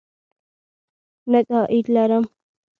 نه ګائیډ لرم.